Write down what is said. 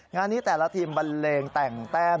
งานนี้แต่ละทีมบันเลงแต่งแต้ม